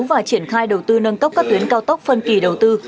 và triển khai đầu tư nâng cấp các tuyến cao tốc phân kỳ đầu tư